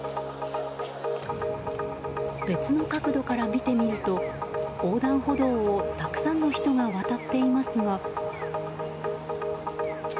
別の角度から見てみると横断歩道をたくさんの人が渡っていますが。